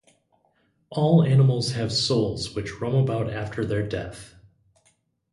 All animals have souls which roam about after their death.